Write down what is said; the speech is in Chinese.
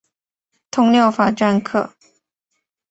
通六法篆刻。